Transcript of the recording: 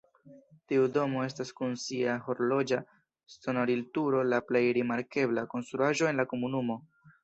Tiu domo estas kun sia horloĝa sonorilturo la plej rimarkebla konstruaĵo en la komunumo.